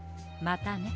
またね。